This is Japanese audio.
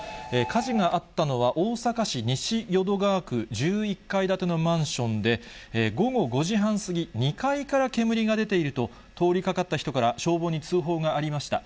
火事があったのは、大阪市西淀川区１１階建てのマンションで、午後５時半過ぎ、２階から煙が出ていると、通りかかった人から消防に通報がありました。